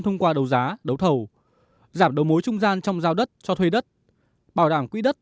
thông qua đấu giá đấu thầu giảm đầu mối trung gian trong giao đất cho thuê đất bảo đảm quỹ đất